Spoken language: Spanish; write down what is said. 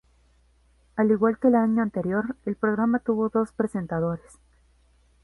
Al igual que el año anterior, el programa tuvo dos presentadores.